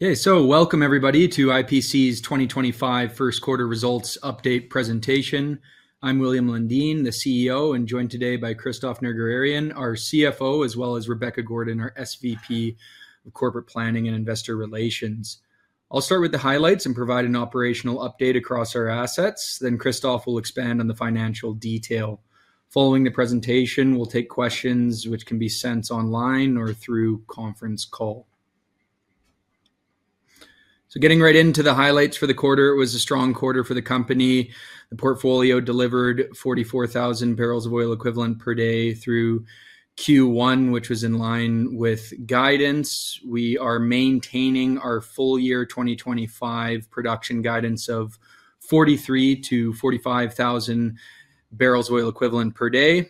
Okay, so welcome everybody to IPC's 2025 first quarter results update presentation. I'm William Lundin, the CEO, and joined today by Christophe Nerguarian, our CFO, as well as Rebecca Gordon, our SVP of Corporate Planning and Investor Relations. I'll start with the highlights and provide an operational update across our assets. Christophe will expand on the financial detail. Following the presentation, we'll take questions which can be sent online or through conference call. Getting right into the highlights for the quarter, it was a strong quarter for the company. The portfolio delivered 44,000 barrels of oil equivalent per day through Q1, which was in line with guidance. We are maintaining our full year 2025 production guidance of 43,000-45,000 barrels of oil equivalent per day.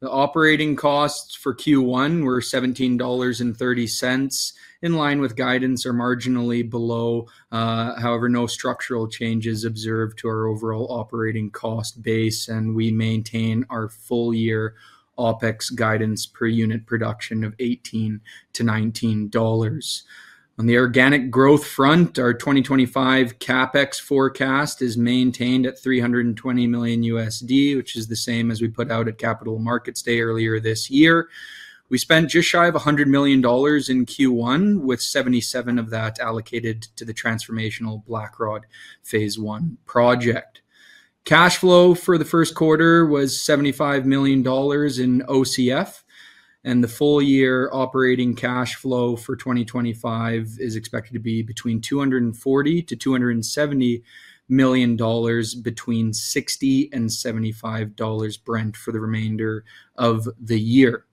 The operating costs for Q1 were $17.30, in line with guidance or marginally below. However, no structural changes observed to our overall operating cost base, and we maintain our full year OpEx guidance per unit production of $18-$19. On the organic growth front, our 2025 CapEx forecast is maintained at $320 million, which is the same as we put out at Capital Markets Day earlier this year. We spent just shy of $100 million in Q1, with $77 million of that allocated to the transformational Blackrod phase 1 project. Cash flow for the first quarter was $75 million in OCF, and the full year operating cash flow for 2025 is expected to be between $240 million-$270 million between $60 and $75 Brent for the remainder of the year.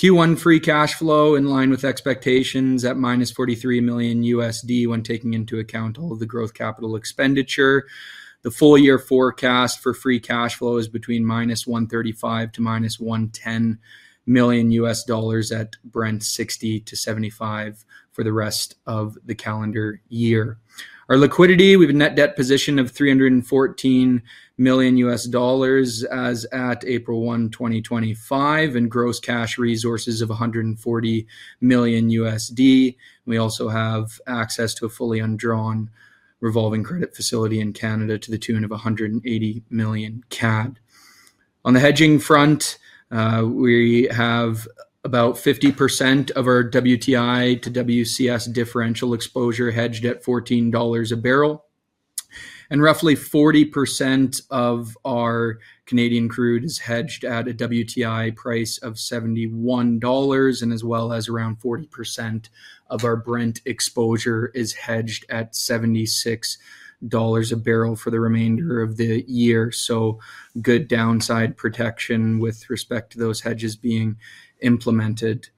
Q1 free cash flow, in line with expectations, at -$43 million when taking into account all of the growth capital expenditure. The full year forecast for free cash flow is between -$135 million to -$110 million at Brent $60-$75 for the rest of the calendar year. Our liquidity, we have a net debt position of $314 million as at April 1, 2025, and gross cash resources of $140 million. We also have access to a fully undrawn revolving credit facility in Canada to the tune of 180 million CAD. On the hedging front, we have about 50% of our WTI to WCS differential exposure hedged at $14 a barrel, and roughly 40% of our Canadian crude is hedged at a WTI price of $71, and as well as around 40% of our Brent exposure is hedged at $76 a barrel for the remainder of the year. Good downside protection with respect to those hedges being implemented.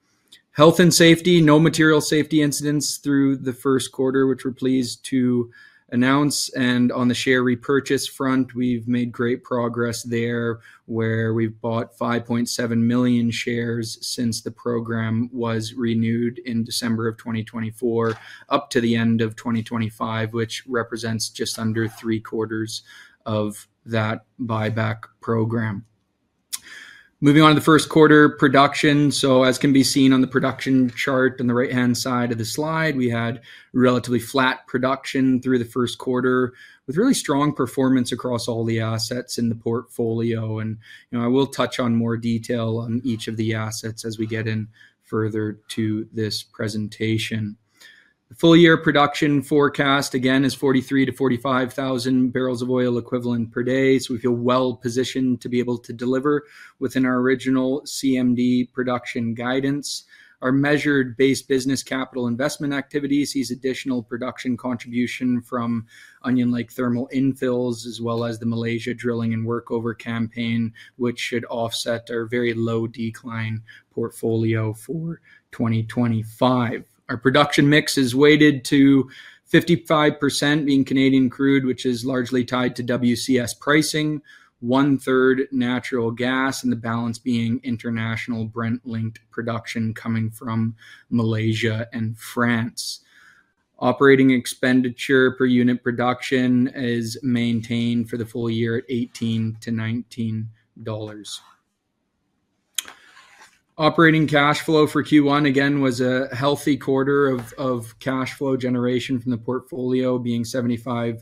Health and safety, no material safety incidents through the first quarter, which we are pleased to announce. On the share repurchase front, we have made great progress there, where we have bought 5.7 million shares since the program was renewed in December 2023 up to the end of 2024, which represents just under three quarters of that buyback program. Moving on to the first quarter production. As can be seen on the production chart on the right-hand side of the slide, we had relatively flat production through the first quarter with really strong performance across all the assets in the portfolio. I will touch on more detail on each of the assets as we get in further to this presentation. The full year production forecast again is 43,000-45,000 barrels of oil equivalent per day. We feel well positioned to be able to deliver within our original CMD production guidance. Our measured-based business capital investment activities sees additional production contribution from Onion Lake thermal infills, as well as the Malaysia drilling and workover campaign, which should offset our very low decline portfolio for 2025. Our production mix is weighted to 55% being Canadian crude, which is largely tied to WCS pricing, one-third natural gas, and the balance being international Brent-linked production coming from Malaysia and France. Operating expenditure per unit production is maintained for the full year at $18-$19. Operating cash flow for Q1 again was a healthy quarter of cash flow generation from the portfolio being $75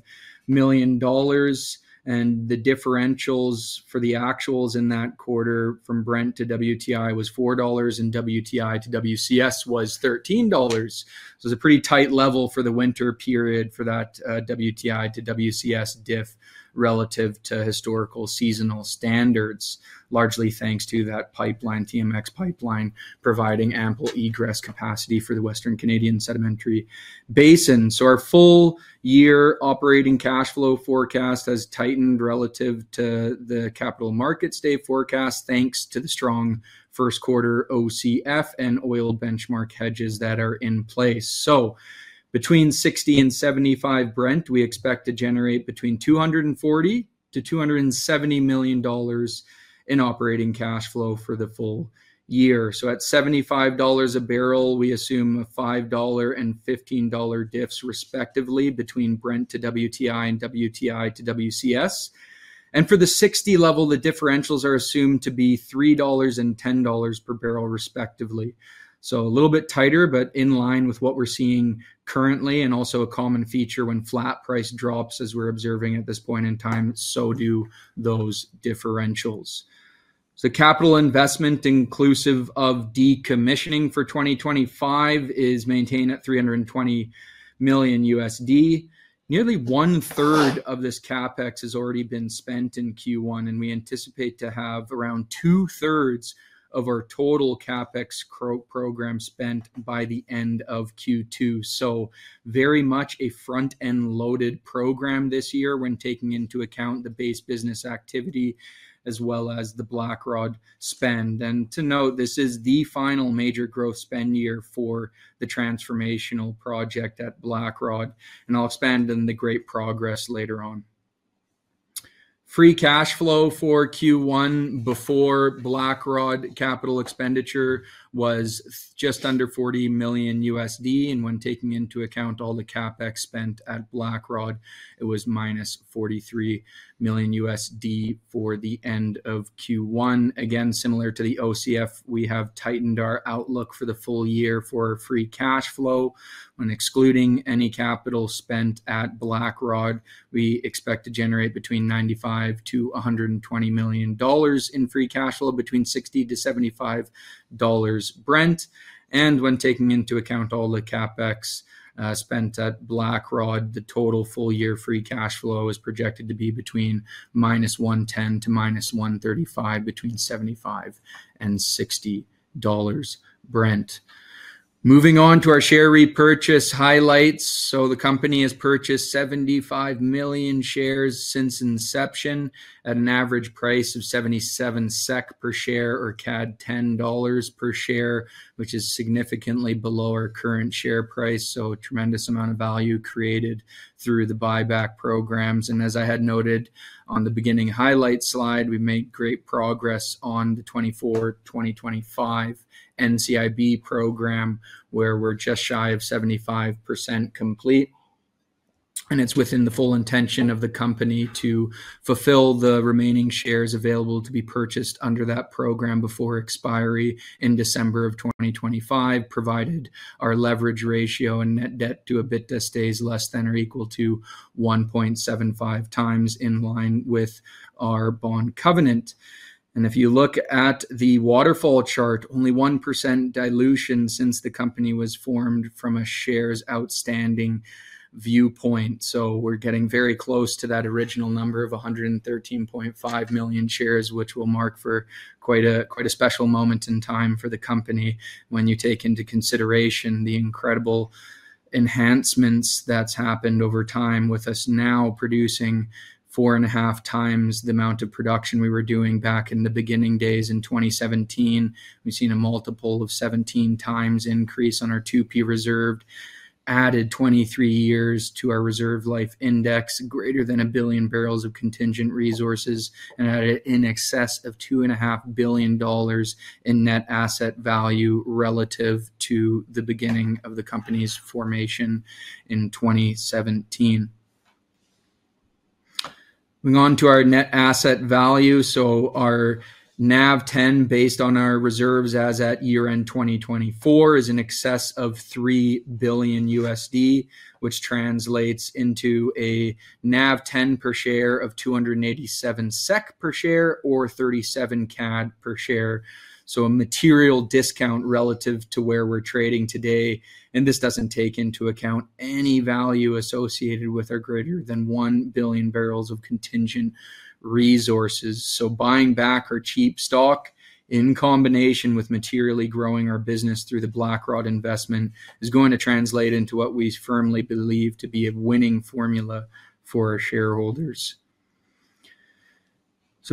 million. The differentials for the actuals in that quarter from Brent to WTI was $4, and WTI to WCS was $13. It was a pretty tight level for the winter period for that WTI to WCS diff relative to historical seasonal standards, largely thanks to that pipeline, TMX pipeline, providing ample egress capacity for the Western Canadian Sedimentary Basin. Our full year operating cash flow forecast has tightened relative to the capital markets day forecast, thanks to the strong first quarter OCF and oil benchmark hedges that are in place. Between $60 and $75n Brent, we expect to generate between $240 million-$270 million in operating cash flow for the full year. At $75 a barrel, we assume a $5 and $15 diffs respectively between Brent to WTI and WTI to WCS. For the $60 level, the differentials are assumed to be $3 and $10 per barrel respectively. A little bit tighter, but in line with what we're seeing currently and also a common feature when flat price drops as we're observing at this point in time, so do those differentials. Capital investment inclusive of decommissioning for 2025 is maintained at $320 million. Nearly one-third of this CapEx has already been spent in Q1, and we anticipate to have around two-thirds of our total CapEx program spent by the end of Q2. Very much a front-end loaded program this year when taking into account the base business activity as well as the BlackRock spend. To note, this is the final major growth spend year for the transformational project at BlackRock, and I'll expand on the great progress later on. Free cash flow for Q1 before BlackRock capital expenditure was just under $40 million, and when taking into account all the CapEx spent at BlackRock, it was -$43 million for the end of Q1. Again, similar to the OCF, we have tightened our outlook for the full year for free cash flow. When excluding any capital spent at BlackRock, we expect to generate between $95 million-$120 million in free cash flow, between $60-$75 Brent. And when taking into account all the CapEx spent at BlackRock, the total full year free cash flow is projected to be between -$110 to --$135 million, between $75 and $60 Brent. Moving on to our share repurchase highlights. The company has purchased 75 million shares since inception at an average price of 77 SEK per share or CAD 10 per share, which is significantly below our current share price. A tremendous amount of value created through the buyback programs. As I had noted on the beginning highlight slide, we made great progress on the 2024-2025 NCIB program, where we're just shy of 75% complete. It is within the full intention of the company to fulfill the remaining shares available to be purchased under that program before expiry in December of 2025, provided our leverage ratio and net debt to EBITDA stays less than or equal to 1.75x in line with our bond covenant. If you look at the waterfall chart, only 1% dilution since the company was formed from a shares outstanding viewpoint. We're getting very close to that original number of 113.5 million shares, which will mark quite a special moment in time for the company when you take into consideration the incredible enhancements that have happened over time with us now producing 4.5x the amount of production we were doing back in the beginning days in 2017. We've seen a multiple of 17x increase on our 2P reserves, added 23 years to our reserve life index, greater than a billion barrels of contingent resources, and added in excess of $2.5 billion in net asset value relative to the beginning of the company's formation in 2017. Moving on to our net asset value. Our NAV 10 based on our reserves as at year end 2024 is in excess of $3 billion, which translates into a NAV 10 per share of 287 SEK per share or 37 CAD per share. A material discount relative to where we're trading today. This does not take into account any value associated with our greater than 1 billion barrels of contingent resources. Buying back our cheap stock in combination with materially growing our business through the BlackRock investment is going to translate into what we firmly believe to be a winning formula for our shareholders.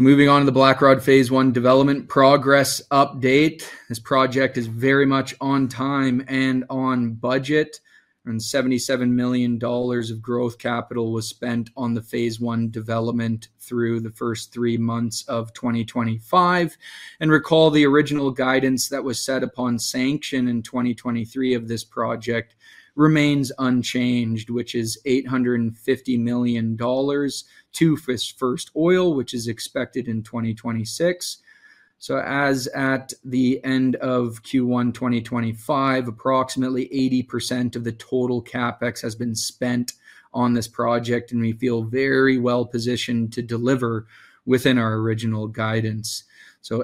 Moving on to the BlackRock phase 1 development progress update. This project is very much on time and on budget. Around $77 million of growth capital was spent on the phase 1 development through the first three months of 2025. Recall the original guidance that was set upon sanction in 2023 of this project remains unchanged, which is $850 million to first oil, which is expected in 2026. As at the end of Q1 2025, approximately 80% of the total CapEx has been spent on this project, and we feel very well positioned to deliver within our original guidance.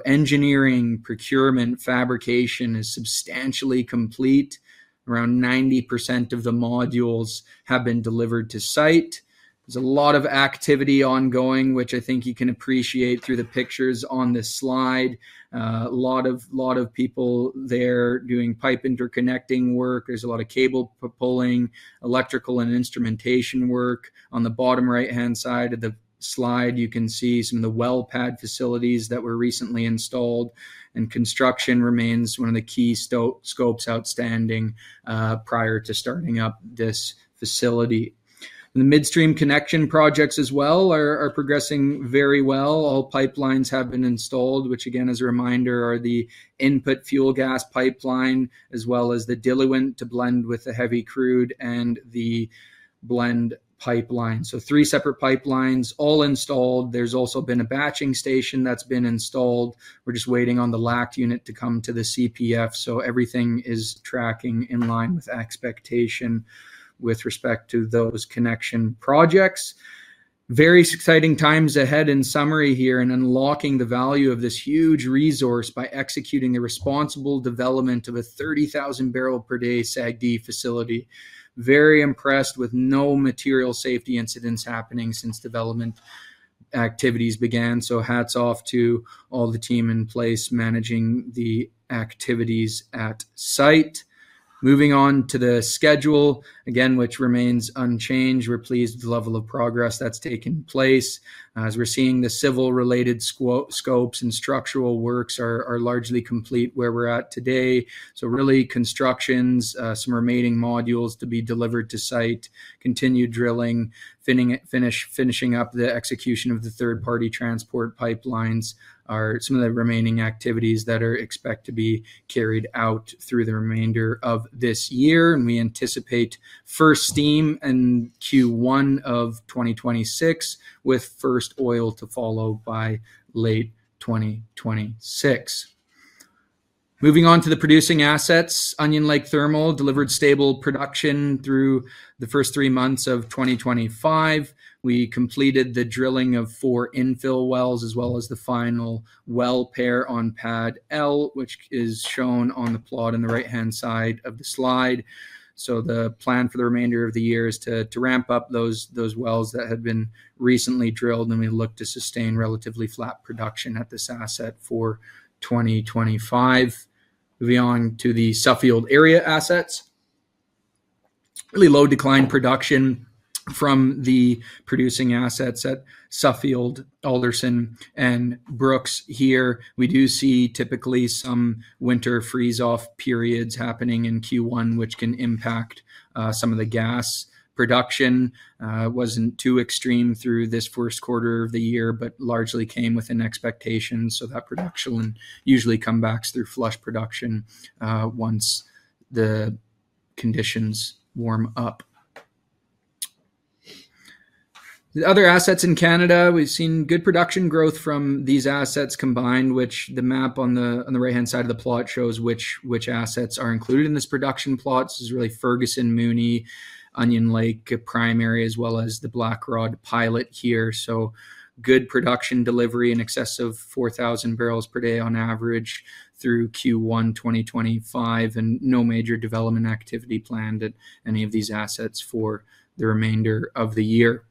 Engineering, procurement, fabrication is substantially complete. Around 90% of the modules have been delivered to site. There is a lot of activity ongoing, which I think you can appreciate through the pictures on this slide. A lot of people there doing pipe interconnecting work. There is a lot of cable pulling, electrical, and instrumentation work. On the bottom right-hand side of the slide, you can see some of the well pad facilities that were recently installed, and construction remains one of the key scopes outstanding prior to starting up this facility. The midstream connection projects as well are progressing very well. All pipelines have been installed, which again, as a reminder, are the input fuel gas pipeline as well as the diluent to blend with the heavy crude and the blend pipeline. Three separate pipelines all installed. There has also been a batching station that has been installed. We are just waiting on the LACT unit to come to the CPF. Everything is tracking in line with expectation with respect to those connection projects. Very exciting times ahead in summary here and unlocking the value of this huge resource by executing the responsible development of a 30,000 barrel per day SAG-D facility. Very impressed with no material safety incidents happening since development activities began. Hats off to all the team in place managing the activities at site. Moving on to the schedule again, which remains unchanged. We're pleased with the level of progress that's taken place. As we're seeing, the civil related scopes and structural works are largely complete where we're at today. Really, construction, some remaining modules to be delivered to site, continued drilling, finishing up the execution of the third-party transport pipelines are some of the remaining activities that are expected to be carried out through the remainder of this year. We anticipate first steam in Q1 of 2026 with first oil to follow by late 2026. Moving on to the producing assets, Onion Lake Thermal delivered stable production through the first three months of 2025. We completed the drilling of four infill wells as well as the final well pair on pad L, which is shown on the plot on the right-hand side of the slide. The plan for the remainder of the year is to ramp up those wells that have been recently drilled, and we look to sustain relatively flat production at this asset for 2025. Moving on to the Suffield area assets. Really low decline production from the producing assets at Suffield, Alderson, and Brooks here. We do see typically some winter freeze-off periods happening in Q1, which can impact some of the gas production. It was not too extreme through this first quarter of the year, but largely came within expectations. That production will usually come back through flush production once the conditions warm up. The other assets in Canada, we've seen good production growth from these assets combined, which the map on the right-hand side of the plot shows which assets are included in this production plot. This is really Ferguson, Mooney, Onion Lake primary, as well as the BlackRock pilot here. Good production delivery in excess of 4,000 barrels per day on average through Q1 2025, and no major development activity planned at any of these assets for the remainder of the year.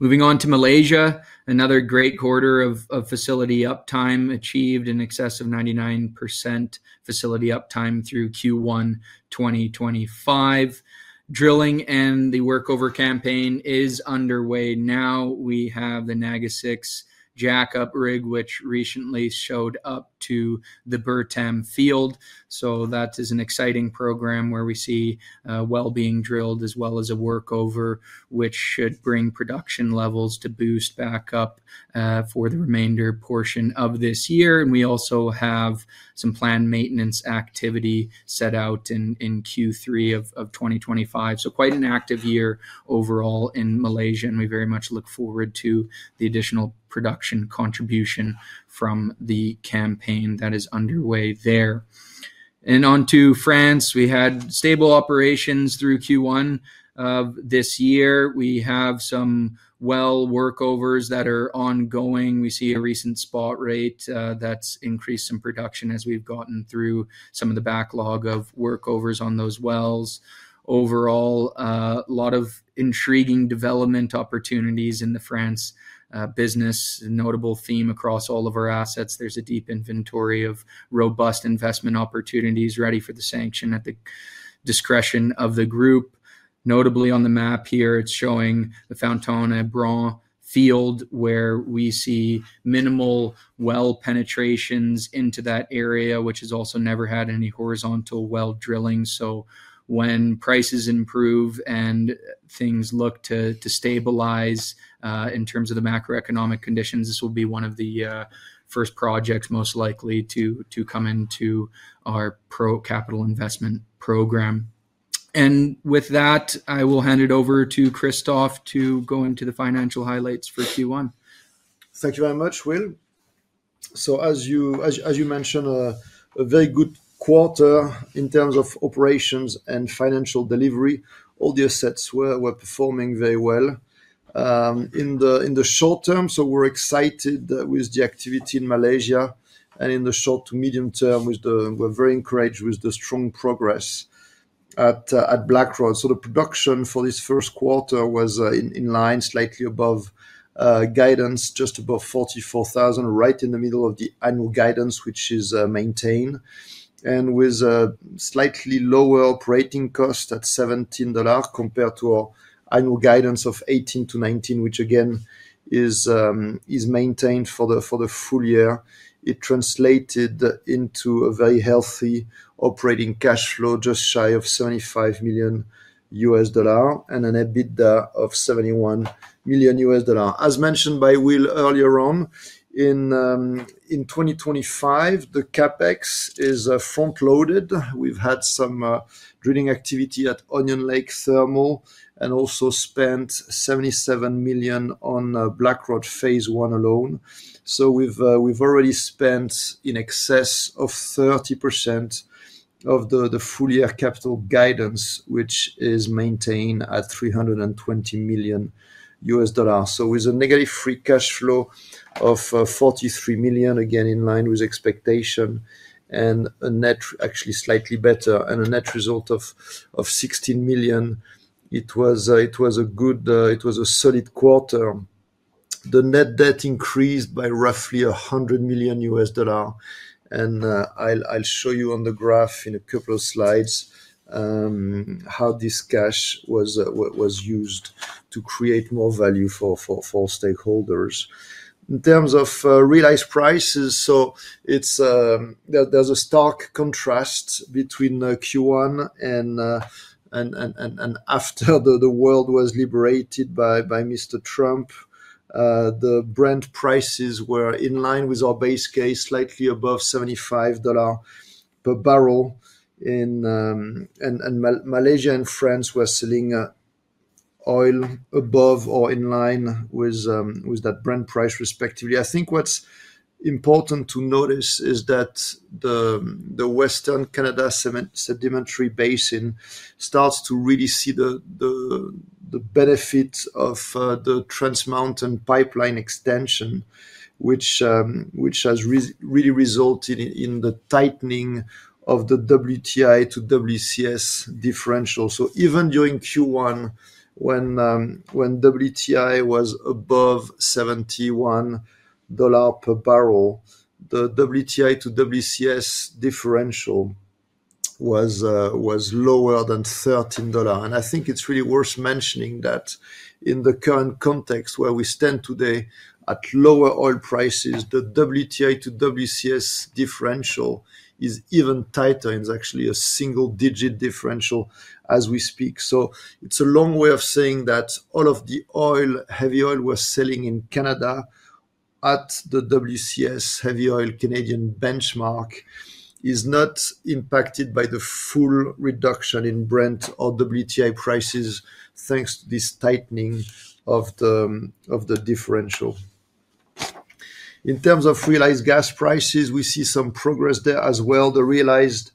Moving on to Malaysia, another great quarter of facility uptime achieved in excess of 99% facility uptime through Q1 2025. Drilling and the workover campaign is underway now. We have the NAGA 6 jackup rig, which recently showed up to the Burtam field. That is an exciting program where we see wells being drilled as well as a workover, which should bring production levels to boost back up for the remainder portion of this year. We also have some planned maintenance activity set out in Q3 of 2025. Quite an active year overall in Malaysia, and we very much look forward to the additional production contribution from the campaign that is underway there. On to France, we had stable operations through Q1 of this year. We have some well workovers that are ongoing. We see a recent spot rate that has increased in production as we have gotten through some of the backlog of workovers on those wells. Overall, a lot of intriguing development opportunities in the France business, a notable theme across all of our assets. is a deep inventory of robust investment opportunities ready for the sanction at the discretion of the group. Notably on the map here, it is showing the Fantone et Brun field where we see minimal well penetrations into that area, which has also never had any horizontal well drilling. When prices improve and things look to stabilize in terms of the macroeconomic conditions, this will be one of the first projects most likely to come into our pro capital investment program. With that, I will hand it over to Christophe to go into the financial highlights for Q1. Thank you very much, Will. As you mentioned, a very good quarter in terms of operations and financial delivery. All the assets were performing very well in the short term. We're excited with the activity in Malaysia and in the short to medium term, we're very encouraged with the strong progress at Blackrod. The production for this first quarter was in line, slightly above guidance, just above 44,000, right in the middle of the annual guidance, which is maintained. With a slightly lower operating cost at $17 compared to our annual guidance of $18-$19, which again is maintained for the full year, it translated into a very healthy operating cash flow, just shy of $75 million and an EBITDA of $71 million. As mentioned by Will earlier on, in 2025, the CapEx is front-loaded. We've had some drilling activity at Onion Lake Thermal and also spent $77 million on Blackrod phase 1 alone. We've already spent in excess of 30% of the full year capital guidance, which is maintained at $320 million. With a negative free cash flow of $43 million, again in line with expectation and actually slightly better, and a net result of $16 million, it was a good, it was a solid quarter. The net debt increased by roughly $100 million. I'll show you on the graph in a couple of slides how this cash was used to create more value for stakeholders. In terms of realized prices, there's a stark contrast between Q1 and after the world was liberated by Mr. Trump. The Brent prices were in line with our base case, slightly above $75 per barrel. Malaysia and France were selling oil above or in line with that Brent price, respectively. I think what's important to notice is that the Western Canadian Sedimentary Basin starts to really see the benefit of the Trans Mountain Pipeline expansion, which has really resulted in the tightening of the WTI to WCS differential. Even during Q1, when WTI was above $71 per barrel, the WTI to WCS differential was lower than $13. I think it's really worth mentioning that in the current context where we stand today at lower oil prices, the WTI to WCS differential is even tighter. It's actually a single-digit differential as we speak. It's a long way of saying that all of the heavy oil we're selling in Canada at the WCS heavy oil Canadian benchmark is not impacted by the full reduction in Brent or WTI prices thanks to this tightening of the differential. In terms of realized gas prices, we see some progress there as well. The realized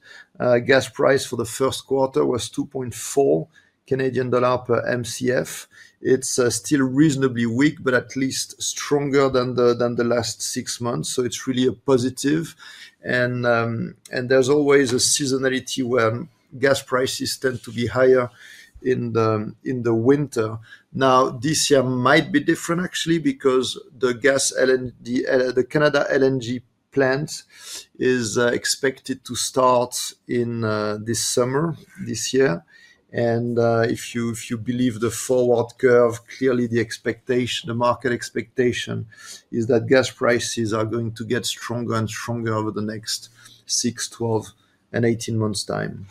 gas price for the first quarter was 2.4 Canadian dollar per MCF. It's still reasonably weak, but at least stronger than the last six months. It's really a positive. There's always a seasonality where gas prices tend to be higher in the winter. This year might be different actually because the Canada LNG plant is expected to start in this summer this year. If you believe the forward curve, clearly the market expectation is that gas prices are going to get stronger and stronger over the next 6, 12, and 18 months' time.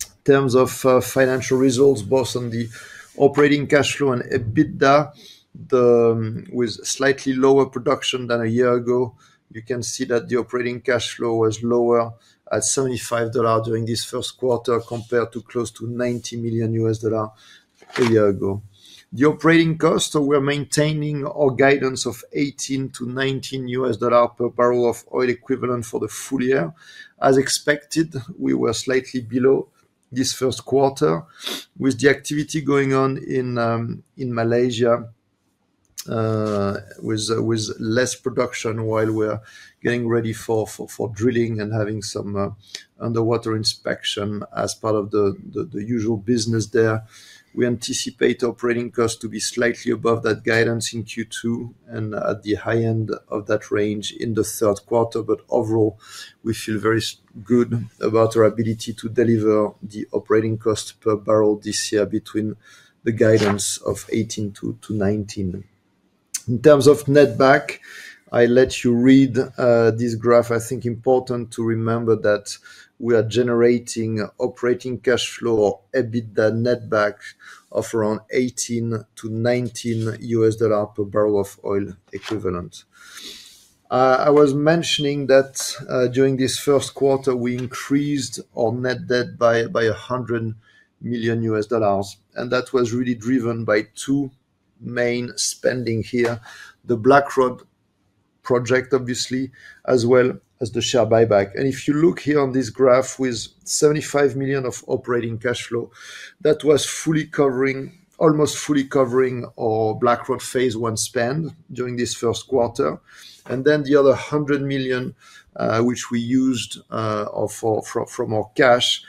In terms of financial results, both on the operating cash flow and EBITDA, with slightly lower production than a year ago, you can see that the operating cash flow was lower at $75 million during this first quarter compared to close to $90 million a year ago. The operating cost, so we're maintaining our guidance of $18-$19 per barrel of oil equivalent for the full year. As expected, we were slightly below this first quarter with the activity going on in Malaysia with less production while we're getting ready for drilling and having some underwater inspection as part of the usual business there. We anticipate operating costs to be slightly above that guidance in Q2 and at the high end of that range in the third quarter. Overall, we feel very good about our ability to deliver the operating cost per barrel this year between the guidance of $18-$19. In terms of net back, I let you read this graph. I think it's important to remember that we are generating operating cash flow or EBITDA net back of around $18-$19 per barrel of oil equivalent. I was mentioning that during this first quarter, we increased our net debt by $100 million. That was really driven by two main spending here, the Blackrod project, obviously, as well as the share buyback. If you look here on this graph with $75 million of operating cash flow, that was almost fully covering our Blackrod phase-1 spend during this first quarter. The other $100 million, which we used for more cash,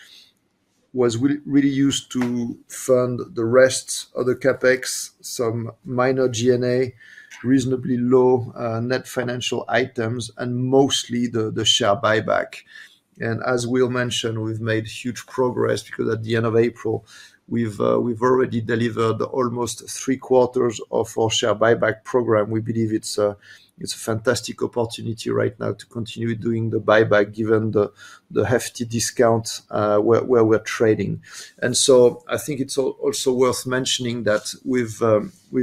was really used to fund the rest of the CapEx, some minor G&A, reasonably low net financial items, and mostly the share buyback. As Will mentioned, we have made huge progress because at the end of April, we have already delivered almost three quarters of our share buyback program. We believe it is a fantastic opportunity right now to continue doing the buyback given the hefty discount where we are trading. I think it's also worth mentioning that we've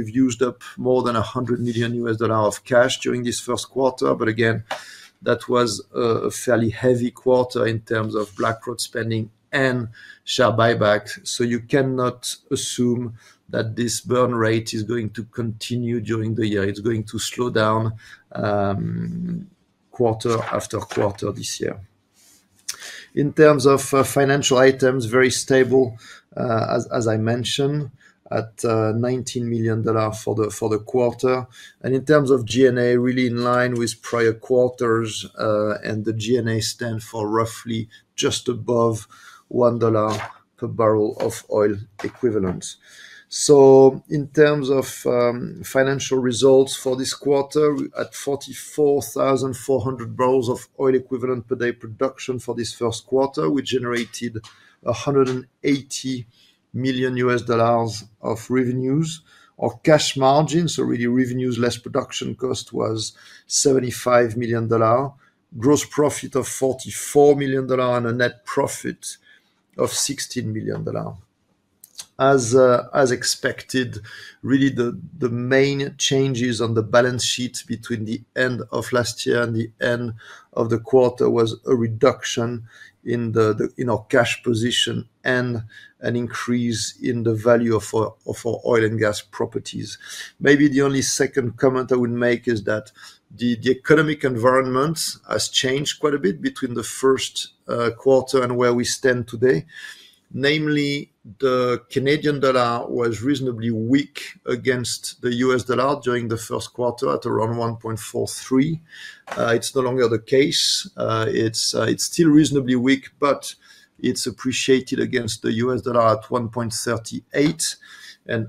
used up more than $100 million of cash during this first quarter. That was a fairly heavy quarter in terms of BlackRock spending and share buyback. You cannot assume that this burn rate is going to continue during the year. It's going to slow down quarter-after quarter this year. In terms of financial items, very stable, as I mentioned, at $19 million for the quarter. In terms of G&A, really in line with prior quarters. The G&A stands for roughly just above $1 per barrel of oil equivalent. In terms of financial results for this quarter, at 44,400 barrels of oil equivalent per day production for this first quarter, we generated $180 million of revenues or cash margin. So really, revenues less production cost was $75 million, gross profit of $44 million, and a net profit of $16 million. As expected, really, the main changes on the balance sheet between the end of last year and the end of the quarter was a reduction in our cash position and an increase in the value of our oil and gas properties. Maybe the only second comment I would make is that the economic environment has changed quite a bit between the first quarter and where we stand today. Namely, the Canadian dollar was reasonably weak against the U.S. dollar during the first quarter at around 1.43. It's no longer the case. It's still reasonably weak, but it's appreciated against the U.S. dollar at 1.38.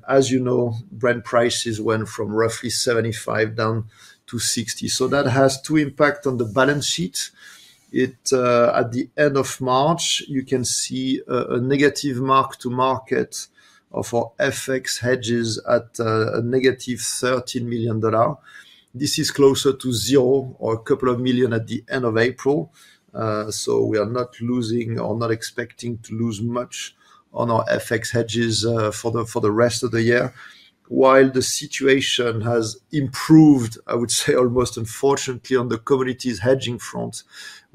As you know, Brent prices went from roughly $75 down to $60. That has two impacts on the balance sheet. At the end of March, you can see a negative mark-to-market of our FX hedges at a -$13 million. This is closer to zero or a couple of million at the end of April. We are not losing or not expecting to lose much on our FX hedges for the rest of the year. While the situation has improved, I would say almost unfortunately on the commodities hedging front,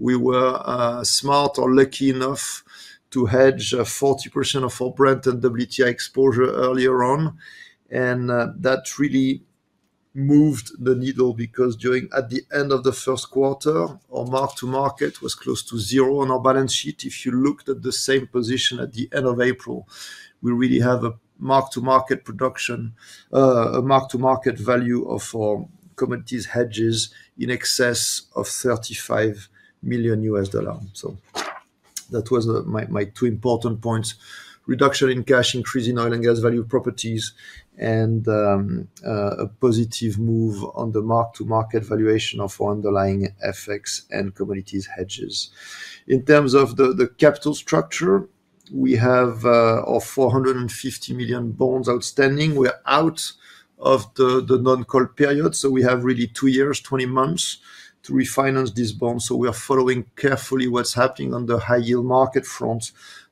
we were smart or lucky enough to hedge 40% of our Brent and WTI exposure earlier on. That really moved the needle because at the end of the first quarter, our mark-to-market was close to zero on our balance sheet. If you looked at the same position at the end of April, we really have a mark-to-market value of our commodities hedges in excess of $35 million. That was my two important points: reduction in cash, increase in oil and gas value properties, and a positive move on the mark-to-market valuation of our underlying FX and commodities hedges. In terms of the capital structure, we have our $450 million bonds outstanding. We are out of the non-call period. We have really two years, 20 months to refinance these bonds. We are following carefully what is happening on the high-yield market front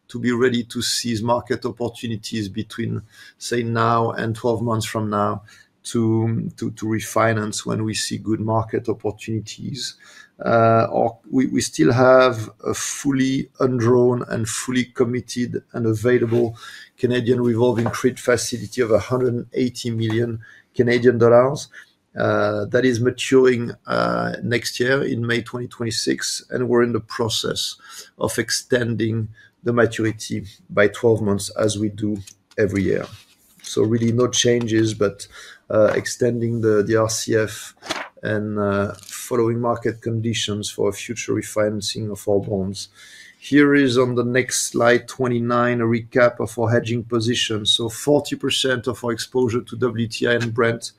to be ready to seize market opportunities between, say, now and 12 months from now to refinance when we see good market opportunities. We still have a fully undrawn and fully committed and available Canadian revolving credit facility of 180 million Canadian dollars that is maturing next year in May 2026. We are in the process of extending the maturity by 12 months as we do every year. Really no changes, but extending the RCF and following market conditions for future refinancing of our bonds. Here is on the next slide, 29, a recap of our hedging position. 40% of our exposure to WTI and Brent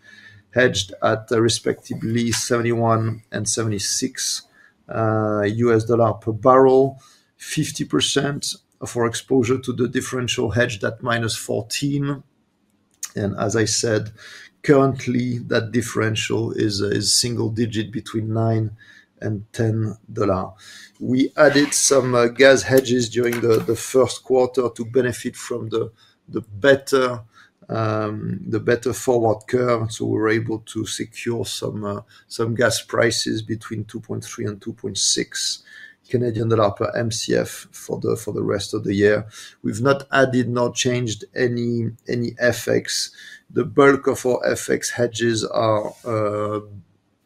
hedged at respectively $71 and $76 USD per barrel, 50% of our exposure to the differential hedged at -$14. As I said, currently, that differential is single-digit between $9 and $10. We added some gas hedges during the first quarter to benefit from the better forward curve. We were able to secure some gas prices between 2.3 and 2.6 Canadian dollar per MCF for the rest of the year. We've not added, not changed any FX. The bulk of our FX hedges are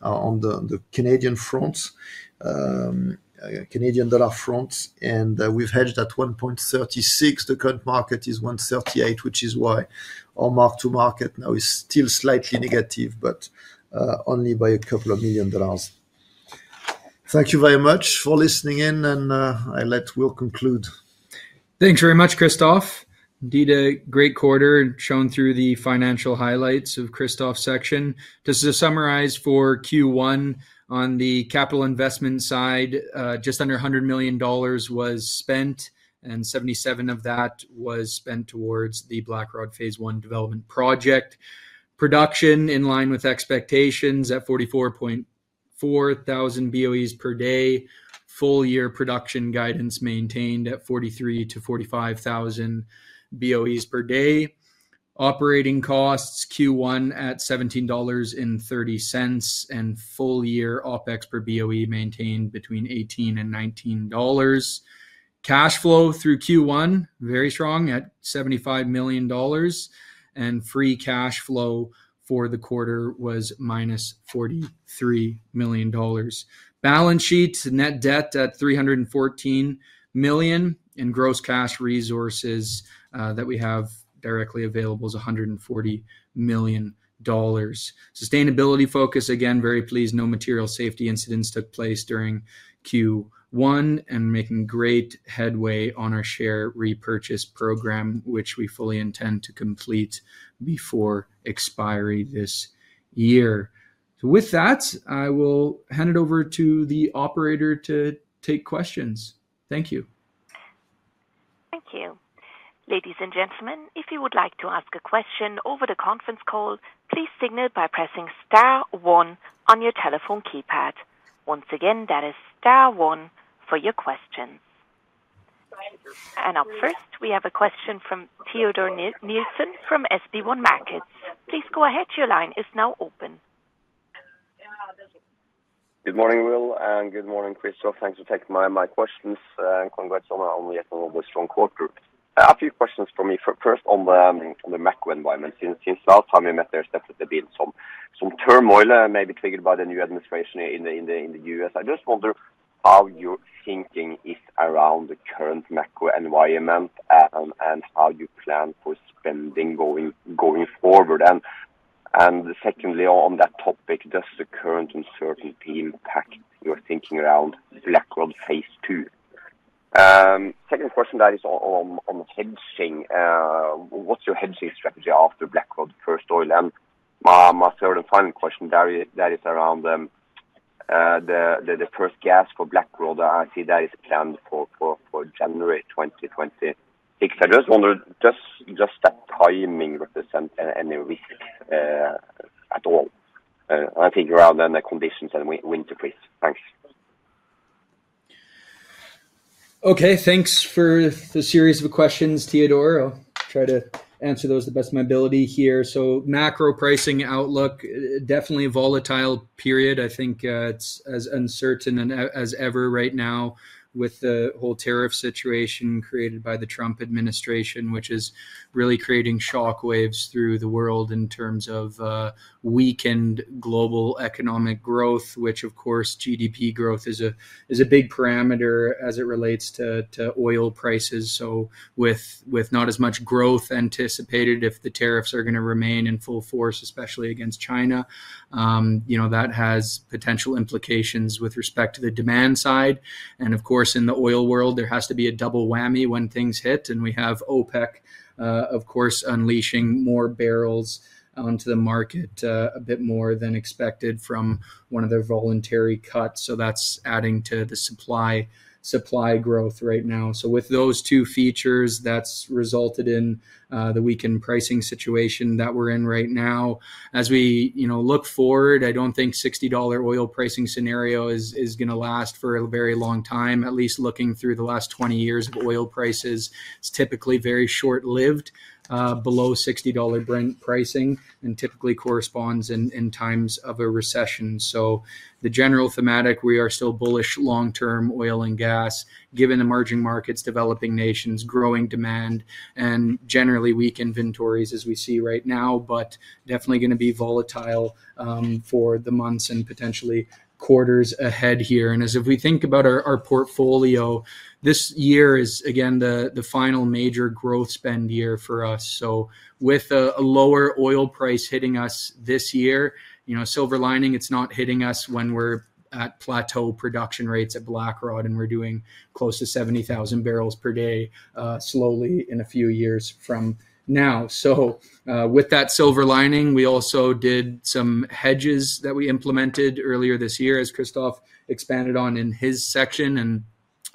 on the Canadian dollar front. We've hedged at 1.36. The current market is 1.38, which is why our mark-to-market now is still slightly negative, but only by a couple of million dollars. Thank you very much for listening in. I will let Will conclude. Thanks very much, Christophe. Indeed, a great quarter shown through the financial highlights of Christophe's section. Just to summarize for Q1, on the capital investment side, just under $100 million was spent, and $77 million of that was spent towards the Blackrod Phase 1 development project. Production in line with expectations at 44,400 BOE per day. Full-year production guidance maintained at 43,000-45,000 BOE per day. Operating costs Q1 at $17.30 and full-year OpEx per BOE maintained between $18 and $19. Cash flow through Q1 very strong at $75 million. Free cash flow for the quarter was -$43 million. Balance sheet, net debt at $314 million. Gross cash resources that we have directly available is $140 million. Sustainability focus, again, very pleased. No material safety incidents took place during Q1 and making great headway on our share repurchase program, which we fully intend to complete before expiry this year. With that, I will hand it over to the operator to take questions. Thank you. Thank you. Ladies and gentlemen, if you would like to ask a question over the conference call, please signal by pressing Star one on your telephone keypad. Once again, that is Star one for your questions. Up first, we have a question from Theodore Nielsen from SB1 Markets. Please go ahead. Your line is now open. Good morning, Will, and good morning, Christophe. Thanks for taking my questions. Congrats on yet another strong quarter. A few questions for me. First, on the macro environment, since last time we met, there's definitely been some turmoil, maybe triggered by the new administration in the U.S. I just wonder how your thinking is around the current macro environment and how you plan for spending going forward. Secondly, on that topic, does the current uncertainty impact your thinking around Blackrod phase? Second question, that is on hedging. What's your hedging strategy after Blackrod first oil? My third and final question, that is around the first gas for Blackrod. I see that is planned for January 2026. I just wonder, does that timing represent any risk at all? I think around then the conditions and winter freeze. Thanks. Okay. Thanks for the series of questions, Theodore. I'll try to answer those to the best of my ability here. Macro pricing outlook, definitely a volatile period. I think it's as uncertain as ever right now with the whole tariff situation created by the Trump administration, which is really creating shockwaves through the world in terms of weakened global economic growth, which, of course, GDP growth is a big parameter as it relates to oil prices. With not as much growth anticipated if the tariffs are going to remain in full force, especially against China, that has potential implications with respect to the demand side. Of course, in the oil world, there has to be a double whammy when things hit. We have OPEC, of course, unleashing more barrels onto the market a bit more than expected from one of their voluntary cuts. That's adding to the supply growth right now. With those two features, that's resulted in the weakened pricing situation that we're in right now. As we look forward, I do not think $60 oil pricing scenario is going to last for a very long time, at least looking through the last 20 years of oil prices. It is typically very short-lived, below $60 Brent pricing, and typically corresponds in times of a recession. The general thematic, we are still bullish long-term oil and gas, given emerging markets, developing nations, growing demand, and generally weak inventories as we see right now, but definitely going to be volatile for the months and potentially quarters ahead here. As we think about our portfolio, this year is, again, the final major growth spend year for us. With a lower oil price hitting us this year, silver lining, it is not hitting us when we are at plateau production rates at Blackrod, and we are doing close to 70,000 barrels per day slowly in a few years from now. With that silver lining, we also did some hedges that we implemented earlier this year, as Christophe expanded on in his section.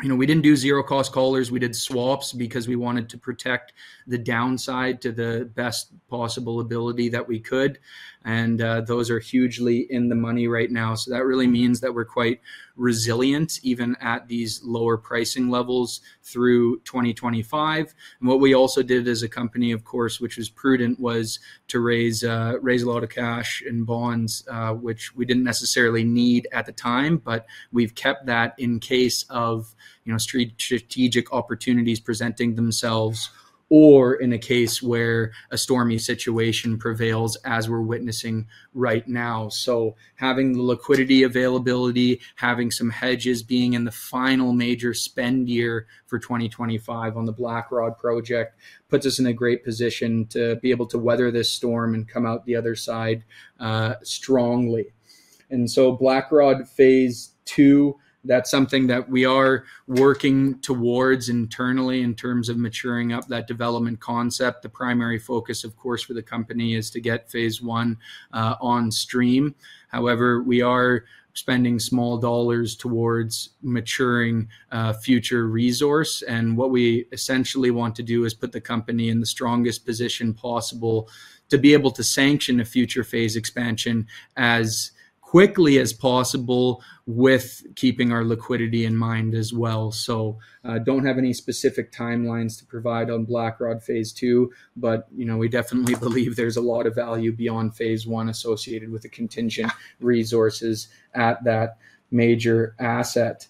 We did not do zero-cost collars. We did swaps because we wanted to protect the downside to the best possible ability that we could. Those are hugely in the money right now. That really means that we are quite resilient, even at these lower pricing levels through 2025. What we also did as a company, of course, which was prudent, was to raise a lot of cash in bonds, which we did not necessarily need at the time, but we have kept that in case of strategic opportunities presenting themselves or in a case where a stormy situation prevails, as we are witnessing right now. Having the liquidity availability, having some hedges, being in the final major spend year for 2025 on the Blackrod project puts us in a great position to be able to weather this storm and come out the other side strongly. Blackrod phase 2, that's something that we are working towards internally in terms of maturing up that development concept. The primary focus, of course, for the company is to get phase 1 on stream. However, we are spending small dollars towards maturing future resource. What we essentially want to do is put the company in the strongest position possible to be able to sanction a future phase expansion as quickly as possible with keeping our liquidity in mind as well. I do not have any specific timelines to provide on Blackrod phase 2, but we definitely believe there is a lot of value beyond Phase 1 associated with the contingent resources at that major asset.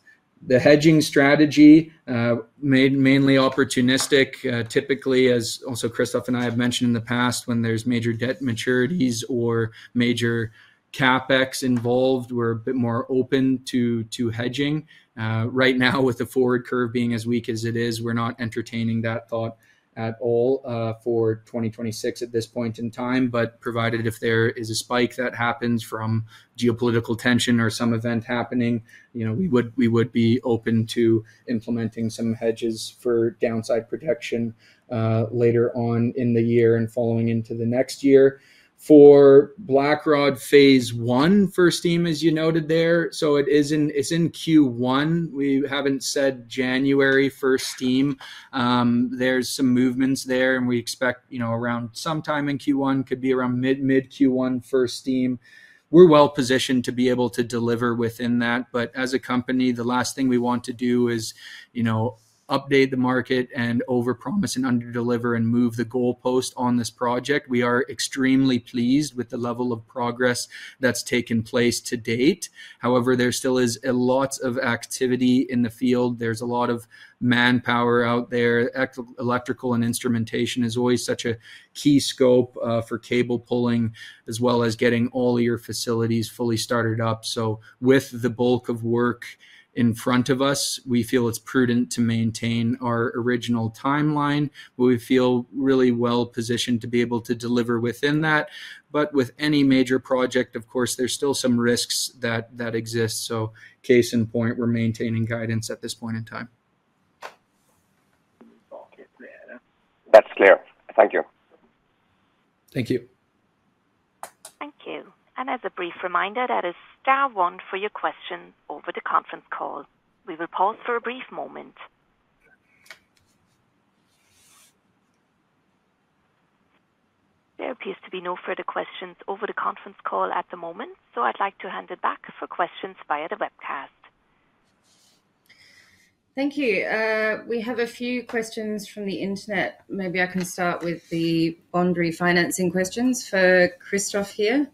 The hedging strategy, mainly opportunistic, typically, as also Christophe and I have mentioned in the past, when there are major debt maturities or major CapEx involved, we are a bit more open to hedging. Right now, with the forward curve being as weak as it is, we are not entertaining that thought at all for 2026 at this point in time. Provided if there is a spike that happens from geopolitical tension or some event happening, we would be open to implementing some hedges for downside protection later on in the year and following into the next year. For Blackrod phase 1, first steam, as you noted there, it is in Q1. We have not said January first steam. There's some movements there, and we expect around sometime in Q1, could be around mid-Q1 first team. We're well positioned to be able to deliver within that. As a company, the last thing we want to do is update the market and overpromise and underdeliver and move the goalpost on this project. We are extremely pleased with the level of progress that's taken place to date. However, there still is lots of activity in the field. There's a lot of manpower out there. Electrical and instrumentation is always such a key scope for cable pulling, as well as getting all of your facilities fully started up. With the bulk of work in front of us, we feel it's prudent to maintain our original timeline. We feel really well positioned to be able to deliver within that. But with any major project, of course, there's still some risks that exist. Case in point, we're maintaining guidance at this point in time. That's clear. Thank you. Thank you. Thank you. As a brief reminder, that is Star one for your question over the conference call. We will pause for a brief moment. There appears to be no further questions over the conference call at the moment. I'd like to hand it back for questions via the webcast. Thank you. We have a few questions from the internet. Maybe I can start with the bond refinancing questions for Christophe here.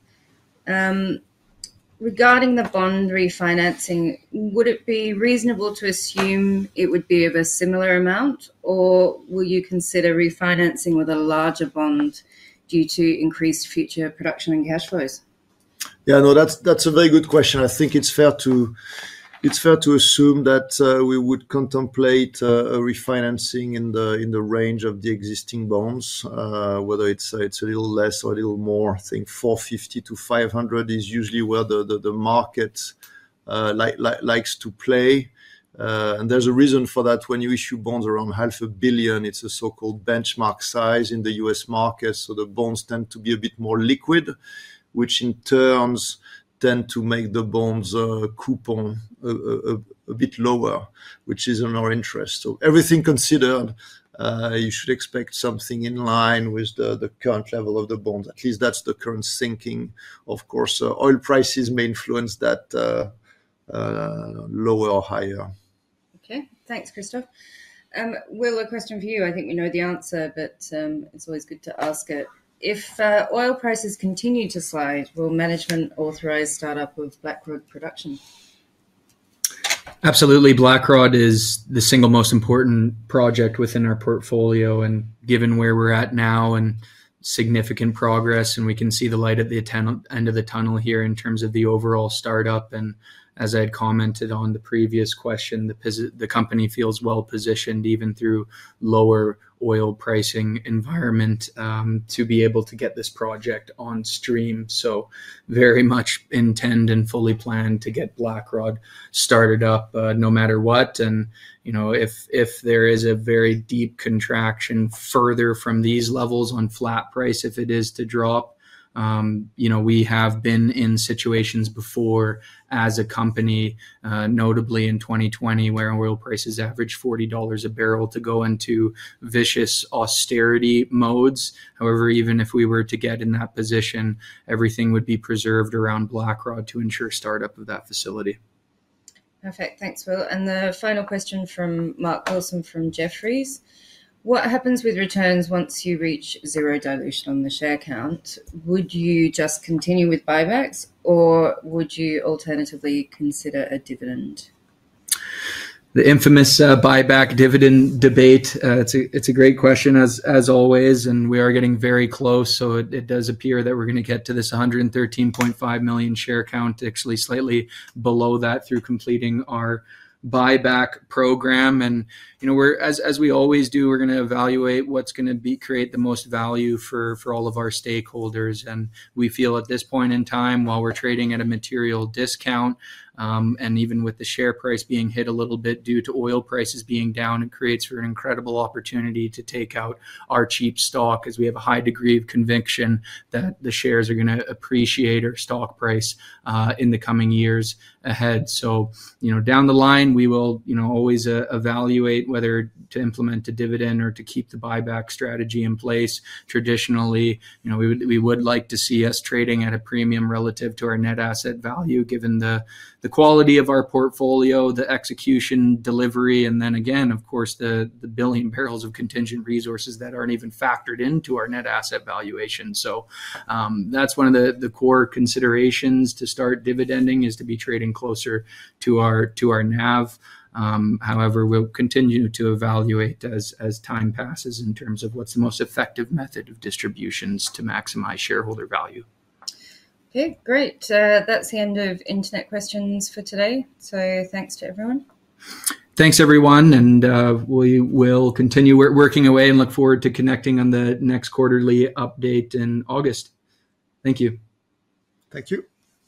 Regarding the bond refinancing, would it be reasonable to assume it would be of a similar amount, or will you consider refinancing with a larger bond due to increased future production and cash flows? Yeah, no, that's a very good question. I think it's fair to assume that we would contemplate refinancing in the range of the existing bonds, whether it's a little less or a little more. I think $450 million-$500 million is usually where the market likes to play. And there's a reason for that. When you issue bonds around half a billion, it's a so-called benchmark size in the U.S. market. So the bonds tend to be a bit more liquid, which in turn tend to make the bonds coupon a bit lower, which is in our interest. So everything considered, you should expect something in line with the current level of the bonds. At least that's the current thinking. Of course, oil prices may influence that lower or higher. Okay. Thanks, Christophe. Will, a question for you. I think we know the answer, but it's always good to ask it. If oil prices continue to slide, will management authorize startup of Blackrod production? Absolutely. BlackRock is the single most important project within our portfolio. Given where we are at now and significant progress, we can see the light at the end of the tunnel here in terms of the overall startup. As I had commented on the previous question, the company feels well positioned even through a lower oil pricing environment to be able to get this project on stream. We very much intend and fully plan to get BlackRock started up no matter what. If there is a very deep contraction further from these levels on flat price, if it is to drop, we have been in situations before as a company, notably in 2020, where oil prices averaged $40 a barrel to go into vicious austerity modes. However, even if we were to get in that position, everything would be preserved around Blackrod to ensure startup of that facility. Perfect. Thanks, Will. The final question from Mark Thorson from Jefferies. What happens with returns once you reach zero dilution on the share count? Would you just continue with buybacks, or would you alternatively consider a dividend? The infamous buyback dividend debate. It is a great question, as always, and we are getting very close. It does appear that we are going to get to this 113.5 million share count, actually slightly below that through completing our buyback program. As we always do, we are going to evaluate what is going to create the most value for all of our stakeholders. We feel at this point in time, while we're trading at a material discount, and even with the share price being hit a little bit due to oil prices being down, it creates for an incredible opportunity to take out our cheap stock as we have a high degree of conviction that the shares are going to appreciate our stock price in the coming years ahead. Down the line, we will always evaluate whether to implement a dividend or to keep the buyback strategy in place. Traditionally, we would like to see us trading at a premium relative to our net asset value, given the quality of our portfolio, the execution delivery, and then again, of course, the billion barrels of contingent resources that are not even factored into our net asset valuation. That's one of the core considerations to start dividending is to be trading closer to our NAV. However, we'll continue to evaluate as time passes in terms of what's the most effective method of distributions to maximize shareholder value. Okay. Great. That's the end of internet questions for today. Thanks to everyone. Thanks, everyone. We'll continue working away and look forward to connecting on the next quarterly update in August. Thank you. Thank you.